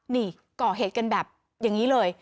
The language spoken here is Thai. นี่ก่อเหตุกันแบบอย่างนี้เลย